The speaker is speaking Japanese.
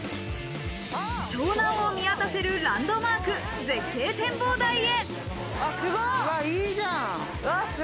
湘南を見渡せるランドマーク、絶景展望台へ。